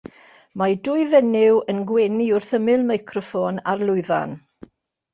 Mae dwy fenyw yn gwenu wrth ymyl meicroffon ar lwyfan.